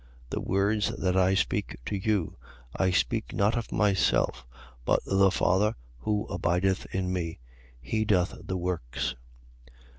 The words that I speak to you, I speak not of myself. But the Father who abideth in me, he doth the works.